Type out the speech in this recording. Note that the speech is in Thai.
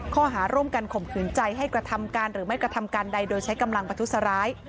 ข้อหาร่วมกันข่มขืนใจให้กระทำการหรือไม่กระทำการใดโดยใช้กำลังประทุษร้าย